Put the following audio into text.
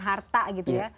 harta gitu ya